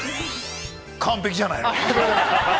◆完璧じゃない。